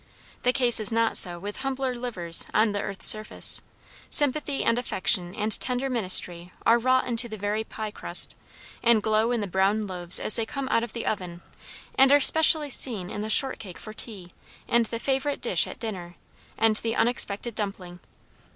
The case is not so with humbler livers on the earth's surface. Sympathy and affection and tender ministry are wrought into the very pie crust, and glow in the brown loaves as they come out of the oven; and are specially seen in the shortcake for tea, and the favourite dish at dinner, and the unexpected dumpling.